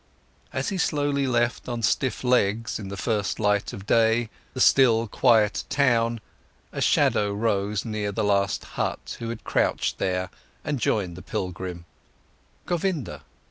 As he slowly left on stiff legs in the first light of day the still quiet town, a shadow rose near the last hut, who had crouched there, and joined the pilgrim—Govinda.